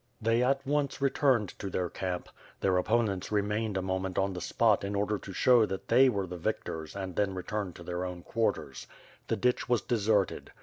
They at once returned to their camp. Their opponents remained a moment on the spot in order to show that they were the victors and then returned to their own quarters. The ditch was deserted.